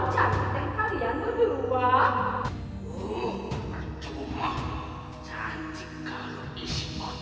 selain lebih hebat aku jauh lebih cantik dari kalian berdua